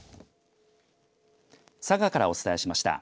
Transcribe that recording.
佐賀からお伝えしました。